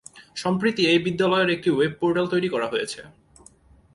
সম্প্রীতি এই বিদ্যালয়ের একটি ওয়েব পোর্টাল তৈরি করা হয়েছে।